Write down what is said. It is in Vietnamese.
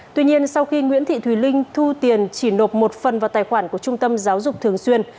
tuy nhiên sau khi nguyễn thị thùy linh thu tiền chỉ nộp một phần vào tài khoản của trung tâm giáo dục thường xuyên